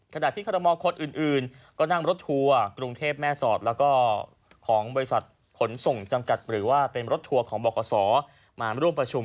ขณะที่คอรมอลคนอื่นก็นั่งรถทัวร์กรุงเทพแม่สอดแล้วก็ของบริษัทขนส่งจำกัดหรือว่าเป็นรถทัวร์ของบขมาร่วมประชุม